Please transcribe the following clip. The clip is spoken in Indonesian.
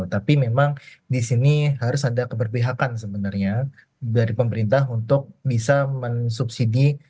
tapi memang di sini harus ada keberpihakan sebenarnya dari pemerintah untuk bisa mensubsidi